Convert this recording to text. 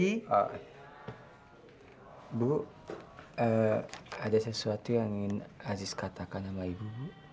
ibu ada sesuatu yang ingin aziz katakan sama ibu